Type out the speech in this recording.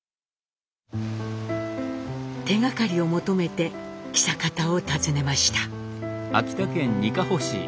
手がかりを求めて象潟を訪ねました。